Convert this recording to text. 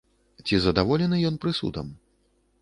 Ці задаволены ён прысудам?